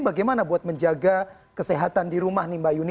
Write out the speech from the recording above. bagaimana buat menjaga kesehatan di rumah nih mbak yuni